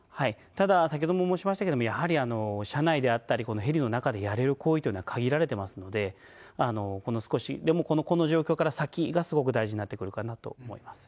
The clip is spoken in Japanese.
ただ、先ほども申しましたけども、やはり車内であったり、ヘリの中でやれる行為というのは、限られてますので、この状況から先がすごく大事になってくるかなと思います。